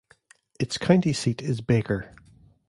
Its county seat is Baker.